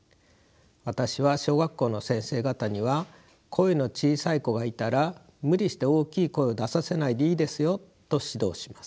私は小学校の先生方には声の小さい子がいたら無理して大きい声を出させないでいいですよと指導します。